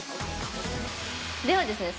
ではですね